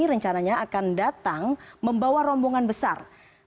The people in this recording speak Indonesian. rencananya akan datang membawa rombongan besar